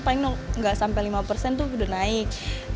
paling nggak sampai lima persen tuh udah naik